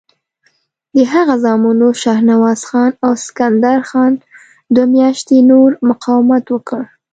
د هغه زامنو شهنواز خان او سکندر خان دوه میاشتې نور مقاومت وکړ.